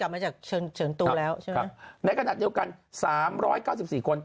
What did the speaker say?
แล้วใช่ไหมครับในขณะเดียวกัน๓๙๔คน